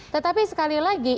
tetapi sekali lagi